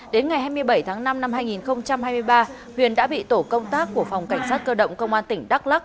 đến ngày hai mươi bảy tháng năm năm hai nghìn hai mươi ba huyền đã bị tổ công tác của phòng cảnh sát cơ động công an tỉnh đắk lắc